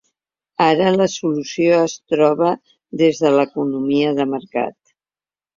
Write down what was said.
Ara, la solució es troba des de l’economia de mercat.